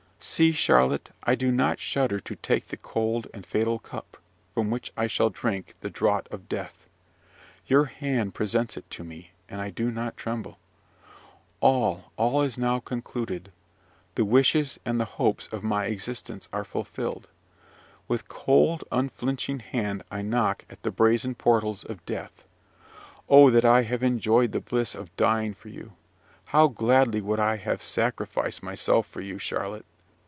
"See, Charlotte, I do not shudder to take the cold and fatal cup, from which I shall drink the draught of death. Your hand presents it to me, and I do not tremble. All, all is now concluded: the wishes and the hopes of my existence are fulfilled. With cold, unflinching hand I knock at the brazen portals of Death. Oh, that I had enjoyed the bliss of dying for you! how gladly would I have sacrificed myself for you; Charlotte!